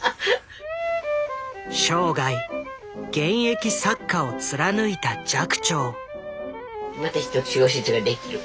生涯現役作家を貫いた寂聴。